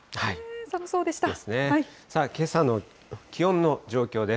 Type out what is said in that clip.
けさの気温の状況です。